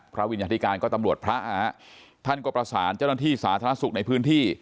วิญญาธิการก็ตำรวจพระท่านก็ประสานเจ้าหน้าที่สาธารณสุขในพื้นที่